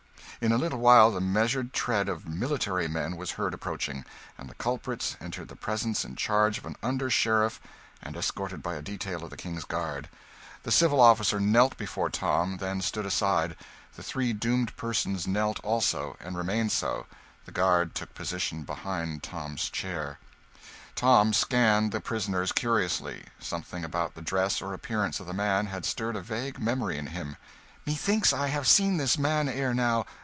In a little while the measured tread of military men was heard approaching, and the culprits entered the presence in charge of an under sheriff and escorted by a detail of the king's guard. The civil officer knelt before Tom, then stood aside; the three doomed persons knelt, also, and remained so; the guard took position behind Tom's chair. Tom scanned the prisoners curiously. Something about the dress or appearance of the man had stirred a vague memory in him. "Methinks I have seen this man ere now